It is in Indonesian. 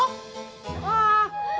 lu mau foto gak